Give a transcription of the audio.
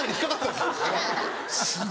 すごいな。